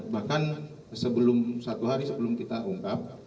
bahkan satu hari sebelum kita ungkap